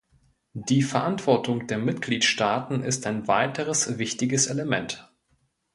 Die Verantwortung der Mitgliedstaaten ist ein weiteres wichtiges Element.